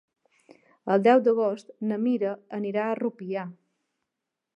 El deu d'agost na Mira anirà a Rupià.